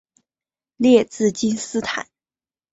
列兹金斯坦。